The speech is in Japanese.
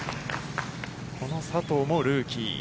この佐藤もルーキー。